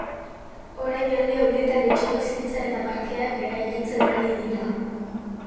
Orain alde honetan etxebizitza eta parkeak eraikitzen ari dira.